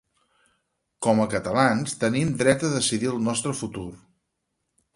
Com a catalans, tenim dret a decidir el nostre futur.